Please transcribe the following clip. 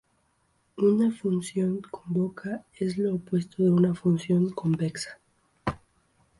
Una función cóncava es lo opuesto de una función convexa.